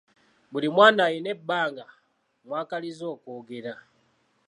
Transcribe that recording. Buli mwana alina ebbanga mw’akaliza okwogera.